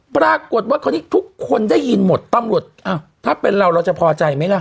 ปรากฏว่าคราวนี้ทุกคนได้ยินหมดตำรวจอ้าวถ้าเป็นเราเราจะพอใจไหมล่ะ